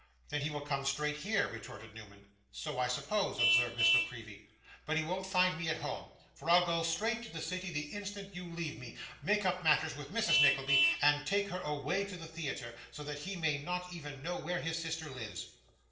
'Then he will come straight here,' retorted Newman. 'So I suppose,' observed Miss La Creevy; 'but he won't find me at home, for I'll go straight to the city the instant you leave me, make up matters with Mrs. Nickleby, and take her away to the theatre, so that he may not even know where his sister lives.